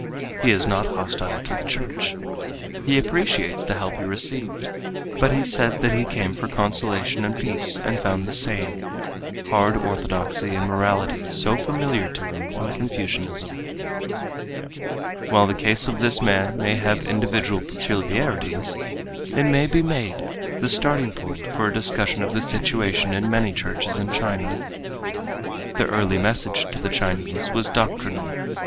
He is not hostile to the church. He appreciates the help he received, but he said that he came for consolation and peace and found the same—hard orthodoxy and morality so familiar to him in Confucianism. While the case of this man may have individual peculiarities, it may be made the starting point for a discussion of the situation in many churches in China. The early message to the Chinese was doctrinal.